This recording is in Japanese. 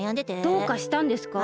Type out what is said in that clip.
どうかしたんですか？